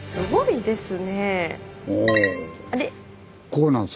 こうなんです。